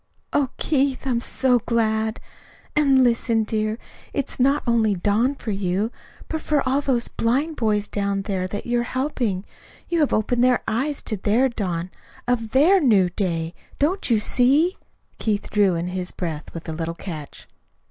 "Oh, Keith, I'm so glad! And, listen, dear. It's not only dawn for you, but for all those blind boys down there that you are helping. You have opened their eyes to the dawn of THEIR new day. Don't you see?" Keith drew in his breath with a little catch.